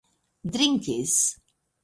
drinkis